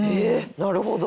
なるほど。